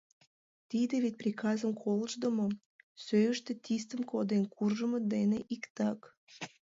Тиде вет приказым колыштдымо, сӧйыштӧ тистым коден куржмо дене иктак.